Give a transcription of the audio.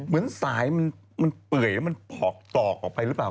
เหมือนสายมันเปื่อยแล้วมันพอกตรอกออกไปหรือเปล่า